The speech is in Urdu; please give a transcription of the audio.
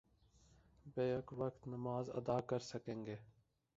بیک وقت نماز ادا کر سکیں گے